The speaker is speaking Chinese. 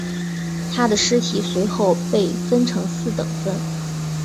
他的尸体随后被分成四等分。